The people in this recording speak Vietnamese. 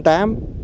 từ cái thời gian